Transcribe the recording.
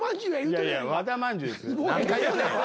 いやいや和田まんじゅうですよ。